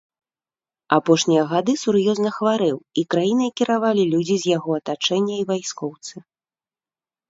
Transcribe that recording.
Апошнія гады сур'ёзна хварэў, і краінай кіравалі людзі з яго атачэння і вайскоўцы.